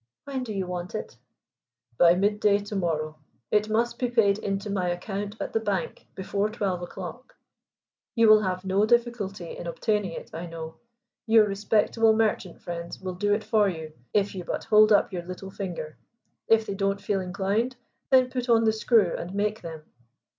"When do you want it?" "By mid day to morrow. It must be paid in to my account at the bank before twelve o'clock. You will have no difficulty in obtaining it I know. Your respectable merchant friends will do it for you if you but hold up your little finger. If they don't feel inclined, then put on the screw and make them."